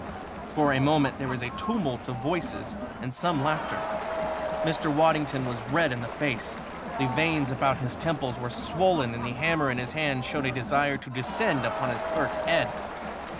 For a moment there was a tumult of voices and some laughter. Mr. Waddington was red in the face. The veins about his temples were swollen and the hammer in his hand showed a desire to descend on his clerk's head.